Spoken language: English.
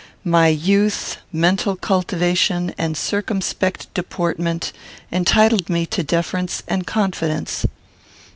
My youth, mental cultivation, and circumspect deportment, entitled me to deference and confidence.